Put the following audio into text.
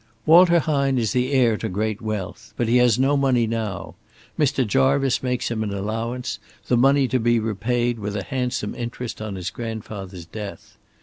"Walter Hine is the heir to great wealth. But he has no money now. Mr. Jarvice makes him an allowance, the money to be repaid with a handsome interest on the grandfather's death.